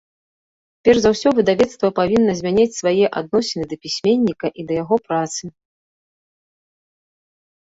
Перш за ўсё выдавецтва павінна змяніць свае адносіны да пісьменніка і да яго працы.